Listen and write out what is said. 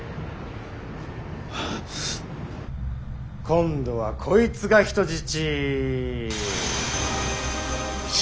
今度はこいつが人質。